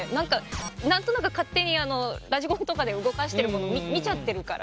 何となく勝手にラジコンとかで動かしてるもの見ちゃってるから。